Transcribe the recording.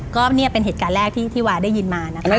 ก็เนี่ยเป็นเหตุการณ์แรกที่วาได้ยินมานะคะ